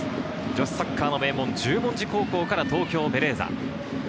女子サッカーの名門・十文字高校から東京ベレーザ。